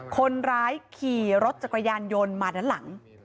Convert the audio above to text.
คนร้ายขี่รถจักรยานยนต์มาด้านหลัง